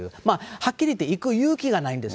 はっきり言って行く勇気がないんです。